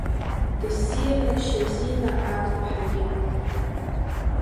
Дыссирын Шьазина Агрԥҳагьы…